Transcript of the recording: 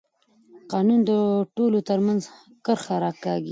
قانون د ټولو ترمنځ کرښه راکاږي